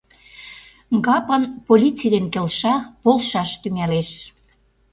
Гапон полиций дене келша, полшаш тӱҥалеш.